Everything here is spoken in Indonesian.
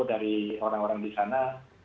dari orang orang di sana